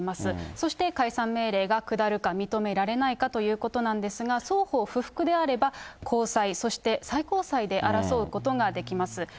そして解散命令が下るか、認められないかということなんですが、双方不服であれば、高裁、そして最高裁で争うことができます。